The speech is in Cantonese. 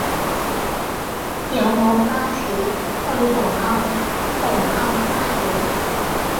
有無巴士去紅磡紅磡花園